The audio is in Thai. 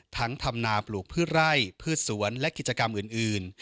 ทำนาปลูกพืชไร่พืชสวนและกิจกรรมอื่น